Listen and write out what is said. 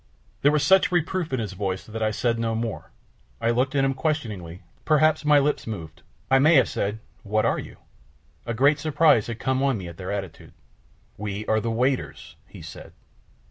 There was such reproof in his voice that I said no more, I looked at him questioningly, perhaps my lips moved, I may have said "What are you?" A great surprise had come on me at their attitude. "We are the waiters," he said.